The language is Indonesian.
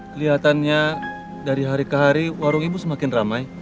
kelihatannya dari hari ke hari warung ibu semakin ramai